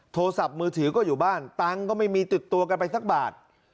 โทรศัพท์มือถือก็อยู่บ้านตังค์ก็ไม่มีติดตัวกันไปสักบาท